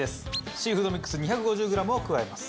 シーフードミックス２５０グラムを加えます。